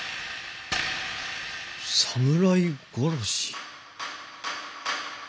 侍殺し？